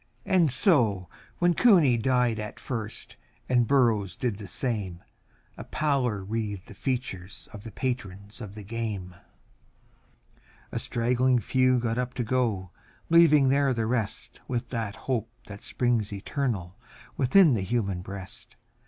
And so, when Cooney died at first, and Burrows did the same, A pallor wreathed the features of the patrons of the game. A straggling few got up to go, leaving there the rest, With that hope which springs eternal within the human breast.